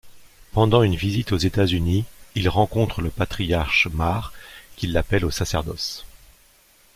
Pendant une visite aux États-Unis, il rencontre le patriarche Mar qui l'appelle au sacerdoce.